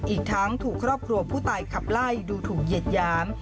อีกทั้งถูกครอบครัวผู้ตายขับไล่ดูถูกเหยียดหยาม